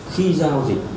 khi giao dịch